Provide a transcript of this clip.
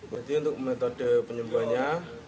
jadi untuk metode penyembuhannya